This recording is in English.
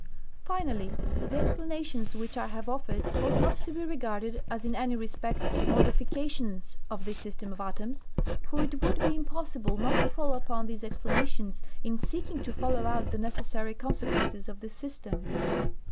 Finally, the explanations which I have offered ought not to be regarded as in any respect modifications of this system of atoms, for it would be impossible not to fall upon these explanations in seeking to follow out the necessary consequences of this system.